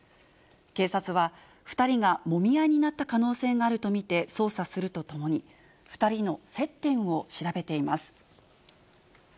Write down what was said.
警察は２人がもみ合いになった可能性があると見て捜査するとともに、２人の接点を調べています。